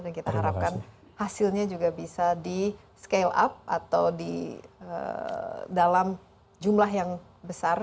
dan kita harapkan hasilnya juga bisa di scale up atau di dalam jumlah yang besar